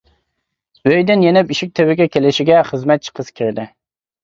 ئۆيدىن يېنىپ ئىشىك تۈۋىگە كېلىشىگە خىزمەتچى قىز كىردى.